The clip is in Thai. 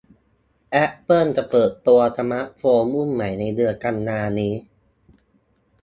แอปเปิลจะเปิดตัวสมาร์ตโฟนรุ่นใหม่ในเดือนกันยายนนี้